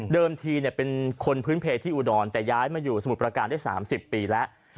ทีเป็นคนพื้นเพที่อุดรแต่ย้ายมาอยู่สมุทรประการได้๓๐ปีแล้ว